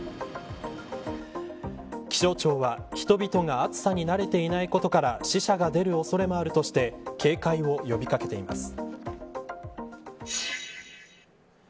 気象庁は人々が暑さに慣れていないことから死者が出る恐れもあるとして警戒を呼び掛けています。